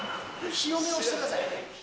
清めをしてください。